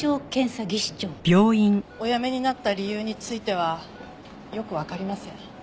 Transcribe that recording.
お辞めになった理由についてはよくわかりません。